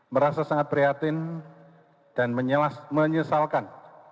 merasa sangat prihatin dan menyesalkan